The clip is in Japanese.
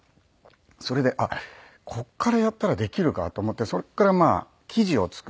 それであっここからやったらできるかと思ってそこからまあ生地を作って。